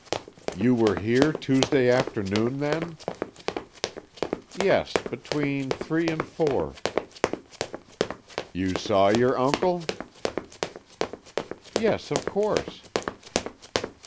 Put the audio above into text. "You were here Tuesday afternoon, then?" "Yes, between three and four." "You saw your uncle?" "Yes, of course."